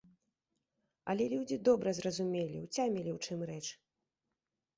Але людзі добра зразумелі, уцямілі, у чым рэч.